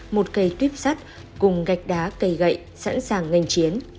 một cây tuyếp sắt cùng gạch đá cây gậy sẵn sàng ngành chiến